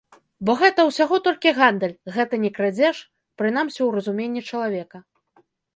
Бо гэта ўсяго толькі гандаль, гэта не крадзеж, прынамсі ў разуменні чалавека.